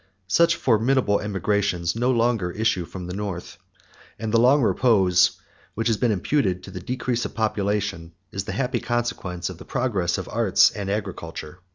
Such formidable emigrations can no longer issue from the North; and the long repose, which has been imputed to the decrease of population, is the happy consequence of the progress of arts and agriculture.